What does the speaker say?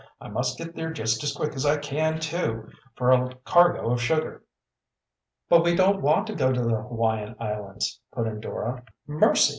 I must get there just as quick as I can, too, for a cargo of sugar." "But we don't want to go to the Hawaiian Islands!" put in Dora. "Mercy!